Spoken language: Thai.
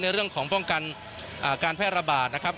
เรื่องของป้องกันการแพร่ระบาดนะครับ